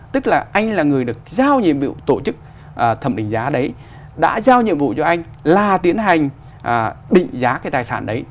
tức là anh là người được giao nhiệm vụ tổ chức thẩm định giá đấy đã giao nhiệm vụ cho anh là tiến hành định giá cái tài sản đấy